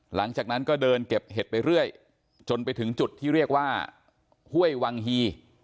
หลังจากนั้นก็เดินเก็บเห็ดไปเรื่อยจนไปถึงจุดที่เรียกว่าห้วยวังฮี